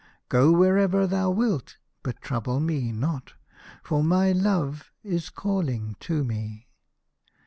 Go wherever thou wilt, but trouble me not, for my love is calling to me."